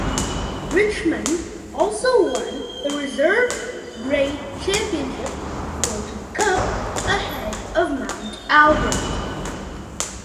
Richmond also won the reserve grade championship (Norton Cup) ahead of Mount Albert.